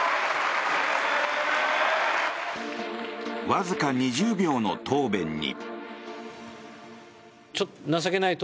わずか２０秒の答弁に。